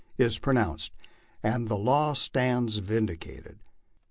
is pronounced, and the law stands vindicated.